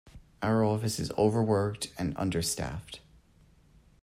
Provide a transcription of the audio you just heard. Our office is overworked and understaffed.